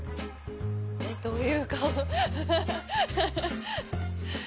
えっどういう顔？